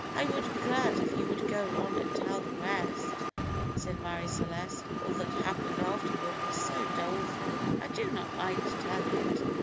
"I would be glad if you would go on and tell the rest," said Marie Celeste; "all that happened afterward was so doleful I do not like to tell it."